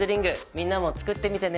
みんなも作ってみてね。